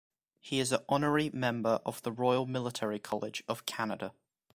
He is an honorary member of the Royal Military College of Canada.